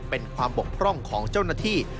เป็นความบกพร่องของเจ้าหน้าที่